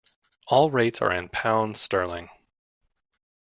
All rates are in pounds sterling.